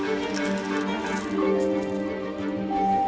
masyarakat menggunakan sholat jumat